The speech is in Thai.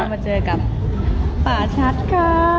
เรามาเจอกับป่าชัดก่อ